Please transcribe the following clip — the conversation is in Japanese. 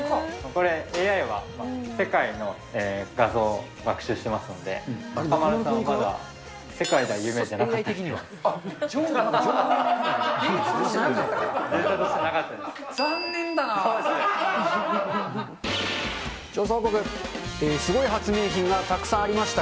これ、ＡＩは世界の画像を学習してますので、中丸さんはまだ世界では有名じゃなかったみたいです。